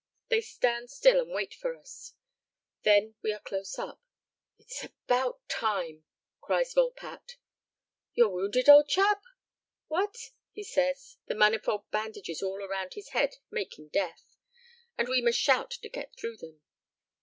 They stand still and wait for us. When we are close up, "It's about time!" cries Volpatte. "You're wounded, old chap?" "What?" he says; the manifold bandages all round his head make him deaf, and we must shout to get through them.